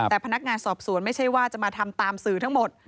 แต่พนักงานสอบสวนไม่ใช่ว่าจะมาทำตามสื่อทั้งหมด